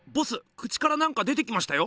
口からなんか出てきましたよ。